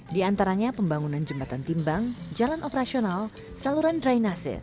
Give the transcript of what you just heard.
di antaranya pembangunan jembatan timbang jalan operasional saluran drainase